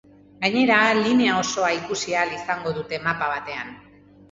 Gainera, linea osoa ikusi ahal izango dute mapa batean.